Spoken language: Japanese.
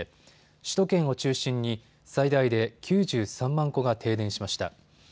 首都圏を中心に最大で９３万戸が停電しました。